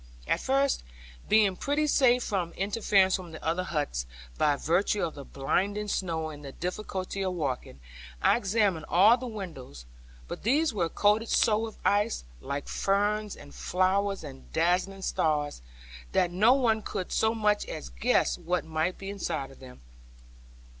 At first, being pretty safe from interference from the other huts, by virtue of the blinding snow and the difficulty of walking, I examined all the windows; but these were coated so with ice, like ferns and flowers and dazzling stars, that no one could so much as guess what might be inside of them.